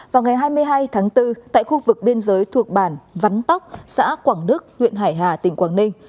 vào ngày hai mươi hai tháng bốn tại khu vực biên giới thuộc bản vắn tóc xã quảng đức huyện hải hà tỉnh quảng ninh